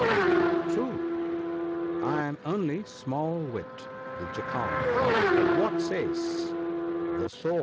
True, I am only Small wit, the Jackal, but what says the saw?